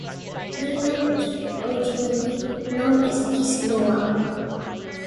Lyman was originally known as East Loa.